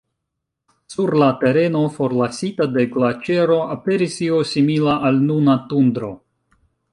Sur la tereno forlasita de glaĉero aperis io simila al nuna tundro.